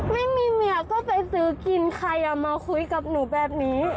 ไม่มีเมียก็ไปซื้อกินใครเอามาคุยกับหนูแบบนี้